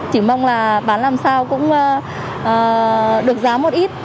chỉ mong là bán làm sao cũng được giá một ít